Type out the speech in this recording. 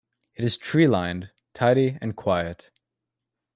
It is tree-lined, tidy, and quiet.